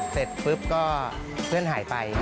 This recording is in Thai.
เสร็จปุ๊บก็เพื่อนหายไป